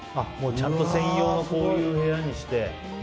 ちゃんと専用のこういう部屋にして。